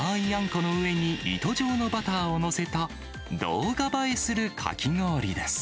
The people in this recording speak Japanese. この上に糸状のバターを載せた、動画映えするかき氷です。